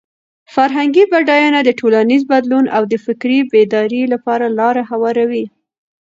فرهنګي بډاینه د ټولنیز بدلون او د فکري بیدارۍ لپاره لاره هواروي.